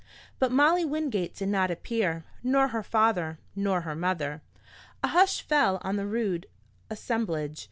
But Molly Wingate did not appear, nor her father, nor her mother. A hush fell on the rude assemblage.